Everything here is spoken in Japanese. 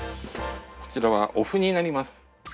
こちらはお麩になります。